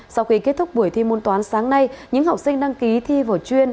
sau khi kết thúc buổi thi môn toán sáng nay những học sinh đăng ký thi vào chuyên